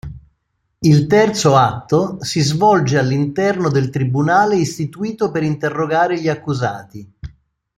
Il terzo atto si svolge all'interno del tribunale istituito per interrogare gli accusati.